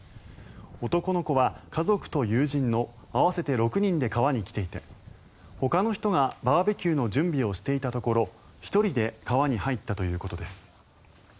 男の子は家族と友人の合わせて６人で川に来ていてほかの人がバーベキューの準備をしていたところ１人で川に入ったということです。